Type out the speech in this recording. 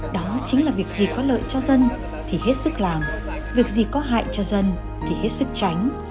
đó chính là việc gì có lợi cho dân thì hết sức làm việc gì có hại cho dân thì hết sức tránh